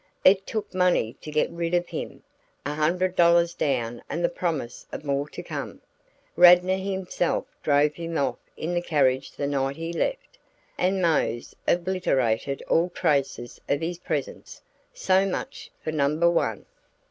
It took money to get rid of him a hundred dollars down and the promise of more to come. Radnor himself drove him off in the carriage the night he left, and Mose obliterated all traces of his presence. So much for number one.